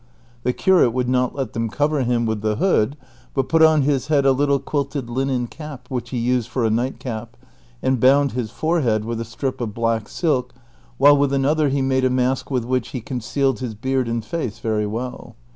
^ The curate woidd not let them cover him with the hood, but put on his head a little quilted linen cap which he used for a night cap, and bound his forehead with a strip of black silk, while with another he made a mask Avith which he concealed his beard and face very well.